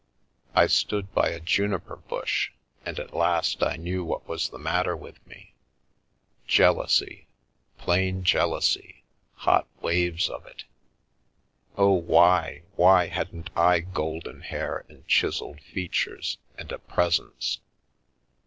I stood by a juniper bush, and at last I knew what was the matter with me. Jealousy — plain jealousy, hot waves of it. Oh, why, why hadn't I golden hair and chiselled features and a " presence